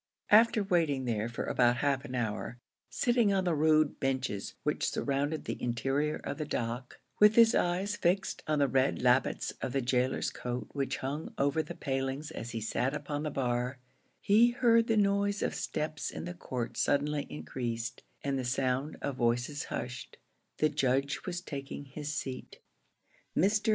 After waiting there for about half an hour, sitting on the rude benches which surrounded the interior of the dock, with his eyes fixed on the red lappets of the gaoler's coat which hung over the palings as he sat upon the bar, he heard the noise of steps in the court suddenly increased, and the sound of voices hushed; the judge was taking his seat. Mr.